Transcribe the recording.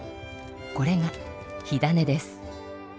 これが火種です。